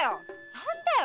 何だよ